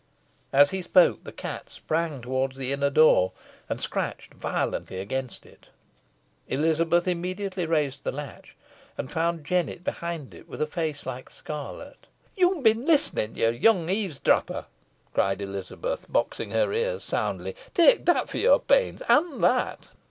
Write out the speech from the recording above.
As he spoke, the cat sprang towards the inner door, and scratched violently against it. Elizabeth immediately raised the latch, and found Jennet behind it, with a face like scarlet. "Yo'n been listenin, ye young eavesdropper," cried Elizabeth, boxing her ears soundly; "take that fo' your pains an that."